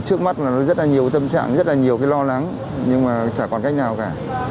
trước mắt là rất là nhiều tâm trạng rất là nhiều lo lắng nhưng mà chả còn cách nào cả